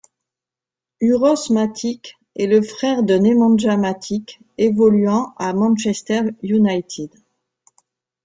Uros Matic est le frère de Nemanja Matic évoluant à Manchester United.